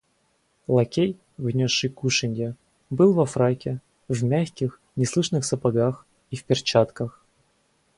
Лакей, внесший кушанье, был во фраке, в мягких неслышных сапогах и в перчатках.